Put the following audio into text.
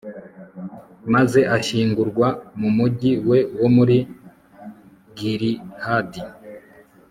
maze ashyingurwa mu mugi we wo muri gilihadi